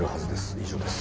以上です。